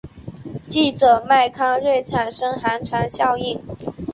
记者麦康瑞产生寒蝉效应。